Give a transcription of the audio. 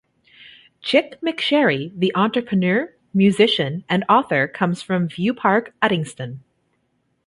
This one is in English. Chic McSherry, the entrepreneur, musician and author comes from Viewpark, Uddingston.